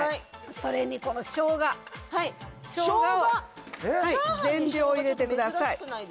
それにこのしょうがしょうがしょうがを全量入れてください